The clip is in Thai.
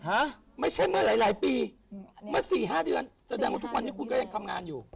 ฮะไม่ใช่เมื่อหลายปีมา๔๕เดือนแสดงว่าทุกวันที่คุณก็ยังทำงานอยู่